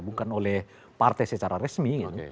bukan oleh partai secara resmi